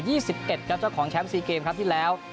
ครับเจ้าของแชมป์ซีเกมครั้งที่แล้ว